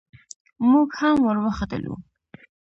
موږ هم ور وختلو.